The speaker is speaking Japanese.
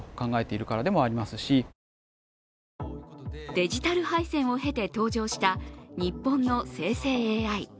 デジタル敗戦を経て登場した日本の生成ＡＩ。